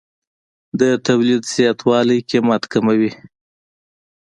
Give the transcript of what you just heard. د تولید زیاتوالی قیمت کموي.